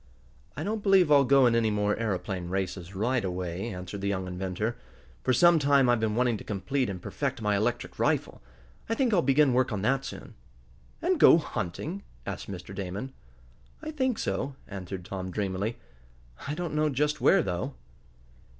"I don't believe I'll go in any more aeroplane races right away," answered the young inventor. "For some time I've been wanting to complete and perfect my electric rifle. I think I'll begin work on that soon." "And go hunting?" asked Mr. Damon. "I think so," answered Tom, dreamily. "I don't know just where, though."